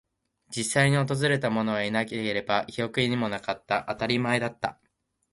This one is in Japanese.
実際に訪れたものはいなければ、記憶にもなかった。当たり前だった。